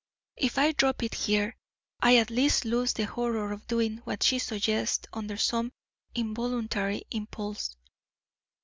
"If I drop it here I at least lose the horror of doing what she suggests, under some involuntary impulse."